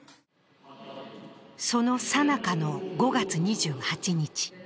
そのさなかの５月２８日。